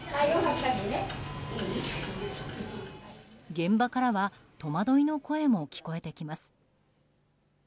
現場からは、戸惑いの声も聞こえてきます。